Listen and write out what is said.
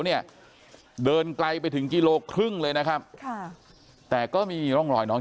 เนี่ยเดินไกลไปถึงกิโลครึ่งเลยนะครับค่ะแต่ก็มีร่องรอยน้อง